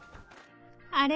あれ？